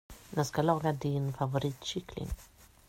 Jag ska laga din favoritkyckling.